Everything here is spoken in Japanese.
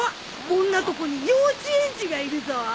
こんなとこに幼稚園児がいるぞ！